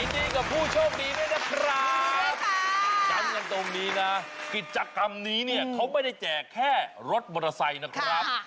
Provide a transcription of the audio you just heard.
ดีกับผู้โชคดีด้วยนะครับย้ำกันตรงนี้นะกิจกรรมนี้เนี่ยเขาไม่ได้แจกแค่รถมอเตอร์ไซค์นะครับ